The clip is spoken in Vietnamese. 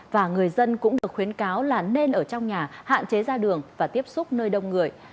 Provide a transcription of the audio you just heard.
và người dân cũng được khuyến cáo là nên ở trong nhà hạn chế ra đường và tiếp xúc nơi đông người